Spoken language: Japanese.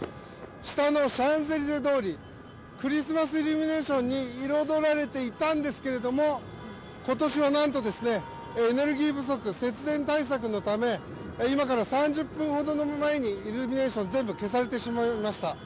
下のシャンゼリゼ通りクリスマスイルミネーションに彩られていたんですけども今年は何とエネルギー不足、節電対策のため今から３０分ほど前にイルミネーション全部消されてしまいました。